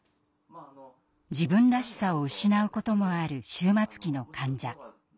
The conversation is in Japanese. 自分らしさを失うこともある終末期の患者。